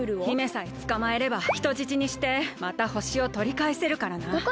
姫さえつかまえれば人質にしてまたほしをとりかえせるからな。